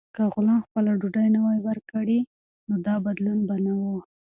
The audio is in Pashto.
که غلام خپله ډوډۍ نه وای ورکړې، نو دا بدلون به نه و.